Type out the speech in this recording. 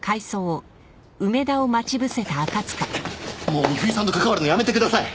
もう美冬さんと関わるのやめてください！